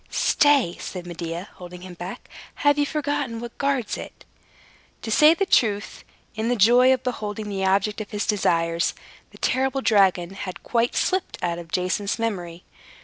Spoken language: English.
"Stay," said Medea, holding him back. "Have you forgotten what guards it?" To say the truth, in the joy of beholding the object of his desires, the terrible dragon had quite slipped out of Jason's memory.